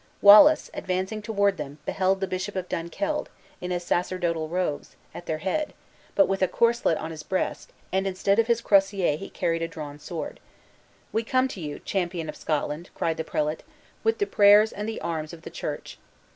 Wallace, advancing toward them, beheld the Bishop of Dunkeld, in his sacerdotal robes, at their head, but with a corselet on his breast, and instead of his crosier he carried a drawn sword. "We come to you, champion of Scotland," cried the prelate, "with the prayers and the arms of the church.